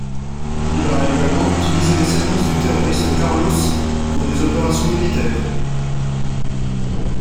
Il a également utilisé les services du terroriste Carlos pour des opérations militaires.